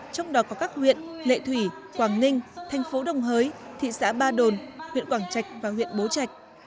trong đó có các huyện lệ thủy quảng ninh thành phố đồng hới thị xã ba đồn huyện quảng trạch và huyện bố trạch